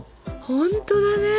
ほんとだね。